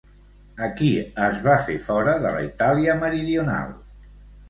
A qui es va fer fora de la Itàlia meridional?